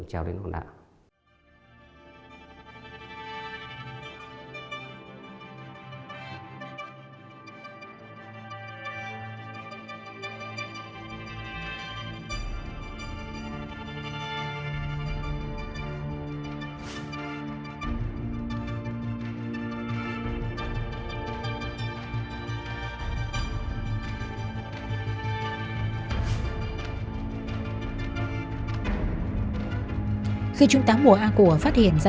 chào đến khoảng đá